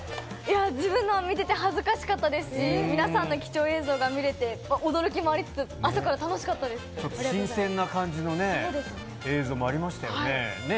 自分のを見てて恥ずかしかったですし、皆さんの貴重映像が見れて、驚きもありつつ、ちょっと新鮮な感じのね、映像もありましたよね。ねぇ？